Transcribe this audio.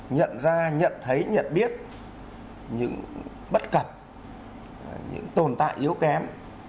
nhận ra nhận thấy nhận biết những bất cập những tồn tại yếu kém